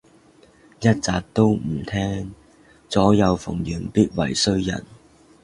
一集都唔聼，左右逢源必為衰人